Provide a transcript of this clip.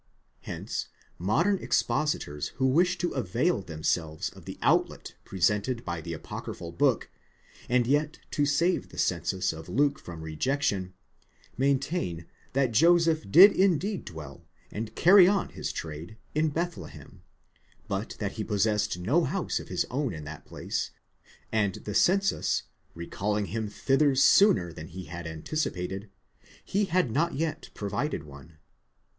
Hence modern expositors who wish to avail themselves of the outlet presented by the apocryphal book, and yet to save the census of Luke from rejection, maintain that Joseph did indeed dwell, and carry on his trade, in Bethlehem, but that he possessed no house of his own in that place, and the census recalling him thither sooner than he had anticipated, he had not yet provided one.